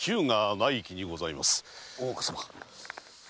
大岡様。